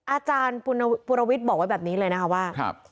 อาจารย์ปุรวิทย์บอกไว้แบบนี้เลยนะคะว่า